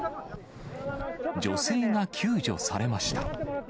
女性が救助されました。